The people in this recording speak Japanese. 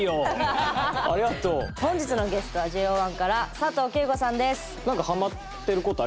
本日のゲストはＪＯ１から佐藤景瑚さんです。